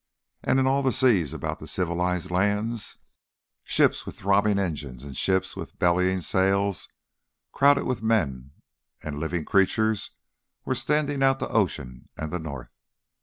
And in all the seas about the civilised lands, ships with throbbing engines, and ships with bellying sails, crowded with men and living creatures, were standing out to ocean and the north.